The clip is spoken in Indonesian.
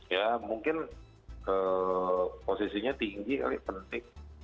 ya mungkin posisinya tinggi kali penting